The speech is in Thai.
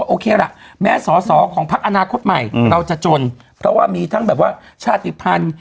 โอเคล่ะแม้สอสอของพักอนาคตใหม่เราจะจนเพราะว่ามีทั้งแบบว่าชาติภัณฑ์